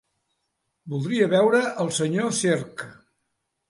Voldria veure el senyor Cerc.